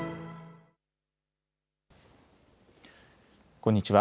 こんにちは。